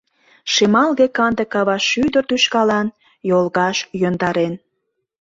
Шемалге-канде кава шӱдыр тӱшкалан йолгаш йӧндарен.